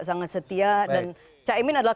sangat setia dan caimin adalah